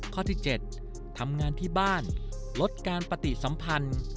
ข้อที่๗ทำงานที่บ้านลดการปฏิสัมพันธ์